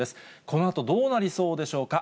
このあと、どうなりそうでしょうか。